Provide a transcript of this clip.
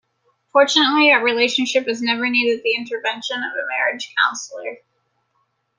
Fortunately, our relationship has never needed the intervention of a Marriage Counsellor.